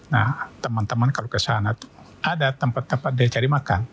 nah teman teman kalau kesana ada tempat tempat dia cari makan